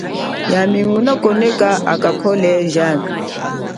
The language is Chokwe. Yami nguna komoka akwakhole jami.